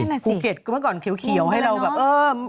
ภูเก็ตก็เมื่อก่อนเขียวให้เราแบบเออ